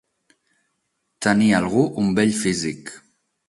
Tenir algú un bell físic.